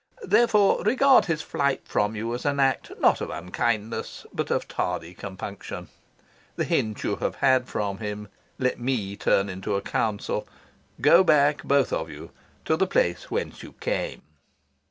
Therefore, regard his flight from you as an act not of unkindness, but of tardy compunction. The hint you have had from him let me turn into a counsel. Go back, both of you, to the place whence you came."